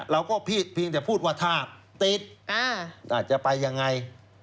เราก็เพียงแต่พูดว่าถ้าติดอาจจะไปยังไง